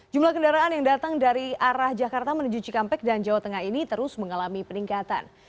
jumlah kendaraan yang datang dari arah jakarta menuju cikampek dan jawa tengah ini terus mengalami peningkatan